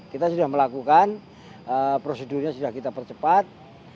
kita sudah melakukan prosedurnya sudah kita percepat